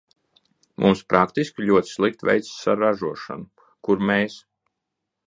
Mums praktiski ļoti slikti veicas ar ražošanu, kur mēs.